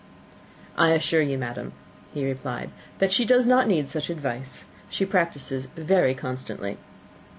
"I assure you, madam," he replied, "that she does not need such advice. She practises very constantly."